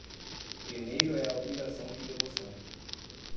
Primeiro é a obrigação que devoção.